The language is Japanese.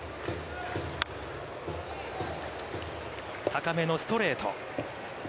高めのストレート。